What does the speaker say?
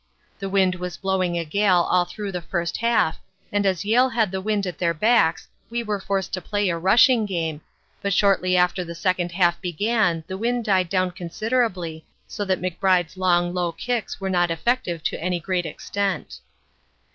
The wind was blowing a gale all through the first half and as Yale had the wind at their backs we were forced to play a rushing game, but shortly after the second half began the wind died down considerably so that McBride's long, low kicks were not effective to any great extent.